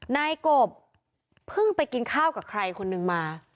นายกบเพิ่งไปกินข้าวกับใครคนนึงมา